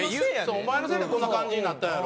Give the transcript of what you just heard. お前のせいでこんな感じになったんやろ。